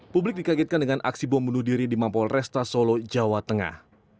publik dikagetkan dengan aksi bom bunuh diri di mampol resta solo jawa tengah